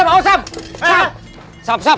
eh sam sam sam